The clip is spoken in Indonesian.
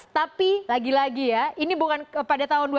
tapi lagi lagi ya ini bukan pada tahun dua ribu tiga belas itu